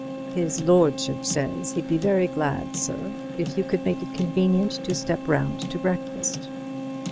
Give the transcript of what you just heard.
"His lordship says he'd be very glad, sir, if you could make it convenient to step round to breakfast."